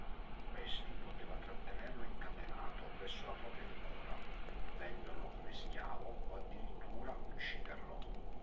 Questi poteva trattenerlo incatenato presso la propria dimora, venderlo come schiavo, o addirittura ucciderlo.